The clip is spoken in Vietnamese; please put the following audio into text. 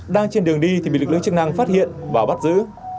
đang trên đường đi thì bị lực lượng chức năng phát hiện và bắt giữ